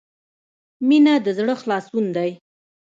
• مینه د زړۀ خلاصون دی.